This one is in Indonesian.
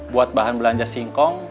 buat bahan belanja singkong